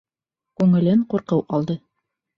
Күңелен ҡурҡыу алды.